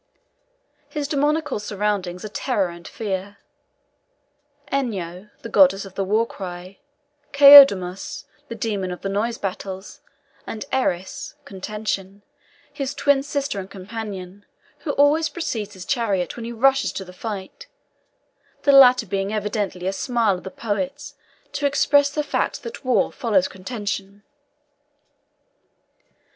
His demoniacal surroundings are Terror and Fear; Enyo, the goddess of the war cry; Keidomos, the demon of the noise of battles; and Eris (Contention), his twin sister and companion, who always precedes his chariot when he rushes to the fight, the latter being evidently a simile of the poets to express the fact that war follows contention.